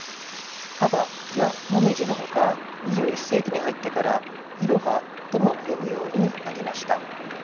「かば」や「もみじ」のほか２１世紀に入ってから「いろは」とも読むようになりました。